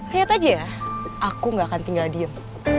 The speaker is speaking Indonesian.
lihat aja ya aku gak akan tinggal diem